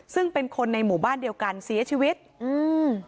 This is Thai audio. ซึ่งเป็นคนในหมู่บ้านเดียวกันเสียชีวิตอืม